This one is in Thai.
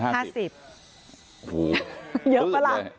โอ้โฮเยอะมาก